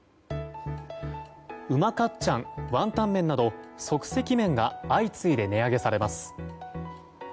うまかっちゃんワンタンメンなど即席麺が相次いで値上げされます。